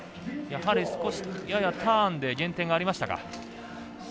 やはり、少しややターンで減点がありましたか。